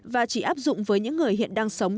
và chỉ áp dụng với những người hiện đang sống